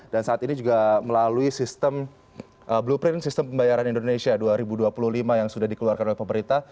dan saat ini juga melalui sistem blueprint sistem pembayaran indonesia dua ribu dua puluh lima yang sudah dikeluarkan oleh pemerintah